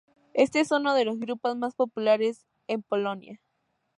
Este es uno de los grupos más populares en Polonia.